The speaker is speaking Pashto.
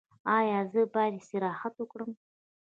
ایا زه باید استراحت وکړم؟